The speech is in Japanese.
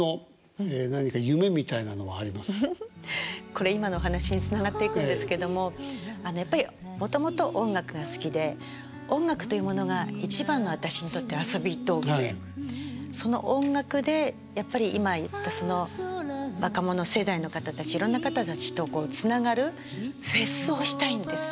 これ今のお話につながっていくんですけどもやっぱりもともと音楽が好きで音楽というものが一番の私にとって遊び道具でその音楽でやっぱり今言った若者世代の方たちいろんな方たちとつながるフェスをしたいんです。